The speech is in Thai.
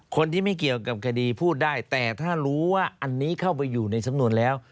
คนที่ไม่เกี่ยวกับคดีพูดได้แต่ถ้ารู้ว่าอันนี้เข้าไปอยู่ในสำนวนแล้ว